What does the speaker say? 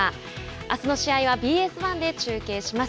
あすの試合はＢＳ１で中継します。